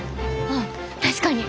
ああ確かに。